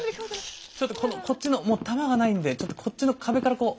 ちょっとこのこっちのもう弾がないんでちょっとこっちの壁からこう。